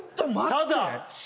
ただ！